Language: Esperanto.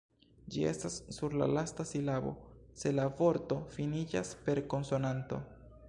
Ĝi estas sur la lasta silabo, se la vorto finiĝas per konsonanto.